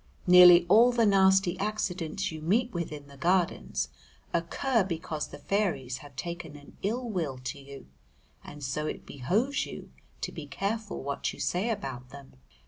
Nearly all the nasty accidents you meet with in the Gardens occur because the fairies have taken an ill will to you, and so it behoves you to be careful what you say about them.